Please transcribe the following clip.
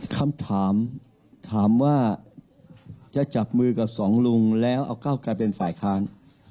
คำถามถามว่าจะจับมือกับสองลุงแล้วเอาก้าวกลายเป็นฝ่ายค้าน